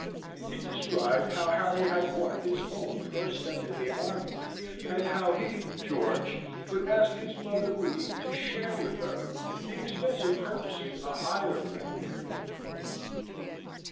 He described how Harry had won his own first step in the army, and how he, George, would ask his mother leave to share with her the expense of purchasing a higher rank for him.